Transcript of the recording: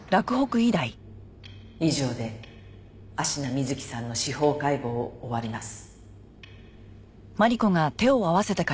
以上で芦名瑞希さんの司法解剖を終わります。